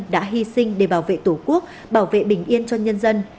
đã hy sinh để bảo vệ tổ quốc bảo vệ bình yên cho nhân dân